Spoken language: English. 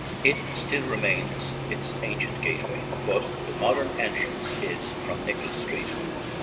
It still retains its ancient gateway, but the modern entrance is from Nicholas Street.